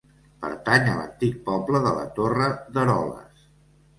Pertany a l'antic poble de la Torre d'Eroles.